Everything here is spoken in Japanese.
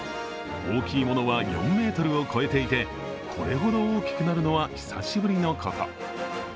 大きいものは４ｍを超えていてこれほど大きくなるのは久しぶりのこと。